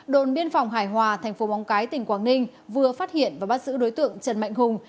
đồn biên phòng hải hòa thành phố móng cái tỉnh quảng ninh vừa phát hiện và bắt giữ đối tượng trần mạnh hùng